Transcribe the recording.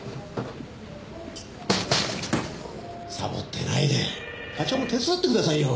さぼってないで課長も手伝ってくださいよ。